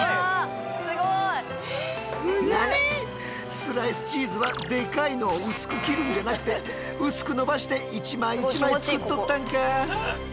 スライスチーズはでかいのを薄く切るんじゃなくて薄く伸ばして一枚一枚作っとったんか。